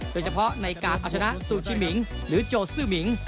โดยเฉพาะในการเอาชนะซูชิมิงหรือโจซื่อหมิง